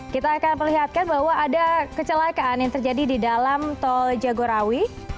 kita akan melihatkan bahwa ada kecelakaan yang terjadi di dalam tolja gorawi